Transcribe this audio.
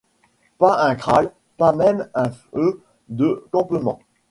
Pas un kraal, pas même un feu de campement.